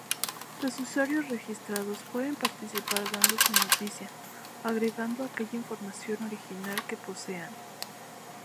Los usuarios registrados pueden participar dando sus noticias, agregando aquella información original que posean.